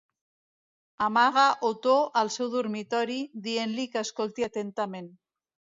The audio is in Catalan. Amaga Otó al seu dormitori, dient-li que escolti atentament.